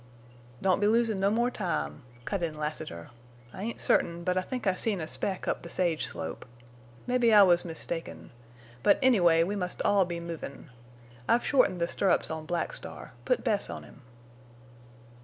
"Don't be losin' no more time," cut in Lassiter. "I ain't certain, but I think I seen a speck up the sage slope. Mebbe I was mistaken. But, anyway, we must all be movin'. I've shortened the stirrups on Black Star. Put Bess on him."